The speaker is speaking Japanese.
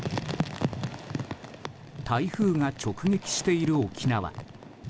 台風が直撃している沖縄。